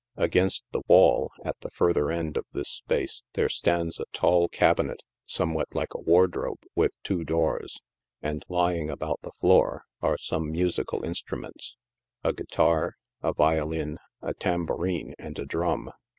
Against the wall, at the further end of this space, there stands a tall cabinet, somewhat like a wardrobe with two doors, and lying about the floor arc some musical instruments — a guitar, a violin, a tambourine and a drum.